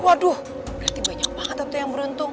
berarti banyak banget yang beruntung